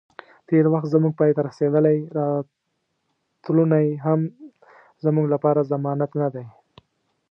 تیر وخت زمونږ پای ته رسیدلی، راتلونی هم زموږ لپاره ضمانت نه دی